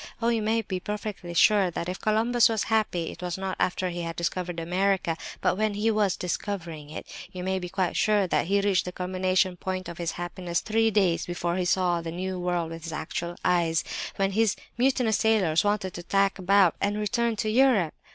Oh, you may be perfectly sure that if Columbus was happy, it was not after he had discovered America, but when he was discovering it! You may be quite sure that he reached the culminating point of his happiness three days before he saw the New World with his actual eyes, when his mutinous sailors wanted to tack about, and return to Europe!